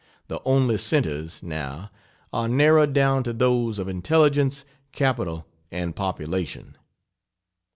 The only centres, now, are narrowed down to those of intelligence, capital and population.